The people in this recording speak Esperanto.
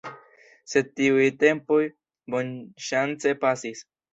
Sed tiuj tempoj bonŝance pasis.